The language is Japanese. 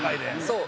そう。